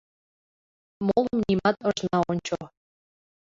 Молым нимат ыжна ончо